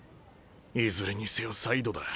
いずれにせよサイドだ。